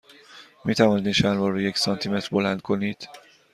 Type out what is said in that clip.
می توانید این شلوار را یک سانتی متر بلند کنید؟